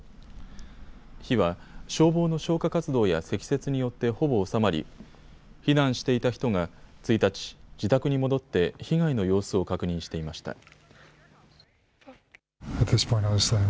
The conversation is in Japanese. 火は、消防の消火活動や積雪によってほぼ収まり、避難していた人が１日、自宅に戻って被害の様子を確認していました。